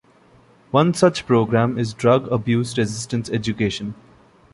One such program is Drug Abuse Resistance Education.